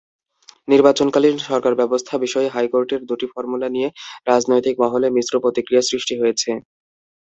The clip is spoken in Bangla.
নির্বাচনকালীন সরকারব্যবস্থা বিষয়ে হাইকোর্টের দুটি ফর্মুলা নিয়ে রাজনৈতিক মহলে মিশ্র প্রতিক্রিয়া সৃষ্টি হয়েছে।